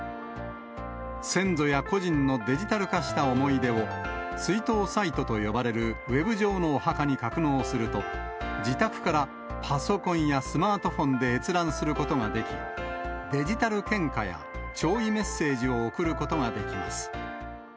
先祖や故人のデジタル化した思い出を、追悼サイトと呼ばれるウェブ上のお墓に格納すると、自宅からパソコンやスマートフォンで閲覧することができ、デジタル献花や弔意メッセージを送ることができます。